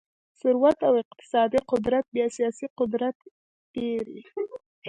ثروت او اقتصادي قدرت بیا سیاسي قدرت پېري.